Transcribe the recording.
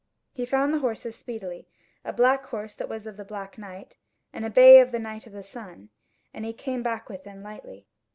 He found the horses speedily, a black horse that was of the Black Knight, and a bay of the Knight of the Sun, and he came back with them lightly.